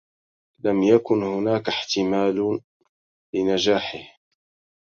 لم يكن هناك احتمال لنجاحه.